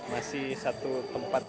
masih satu tempat